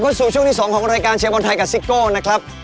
สู่ช่วงที่๒ของรายการเชียร์บอลไทยกับซิโก้นะครับ